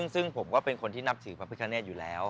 ซึ่งผมก็เป็นคนที่นับถือพระพิคเนธอยู่แล้ว